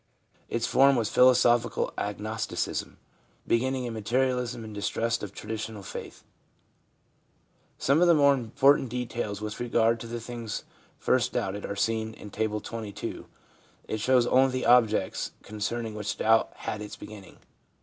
Its form was philosophical agnosticism, beginning in materialism and distrust of traditional faith.' Some of the more important details with regard to the things first doubted are seen in Table XXII. It shows only the objects concerning which doubt had its beginning.